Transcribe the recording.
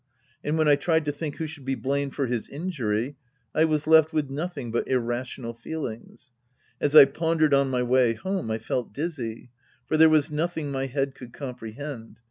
And when I tried to think who should be blamed for his injury, I was left with nothing but irrational feelings. As I pondered on my way home, I felt dizzy. For there was no thing my head could comprehend.